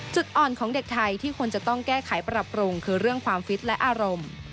จุดอ่อนของเด็กไทยที่ควรจะต้องแก้ไขปรับปรุงคือเรื่องความฟิตและอารมณ์